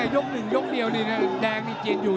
ยก๑ยกเดียวแดงมีเจียนอยู่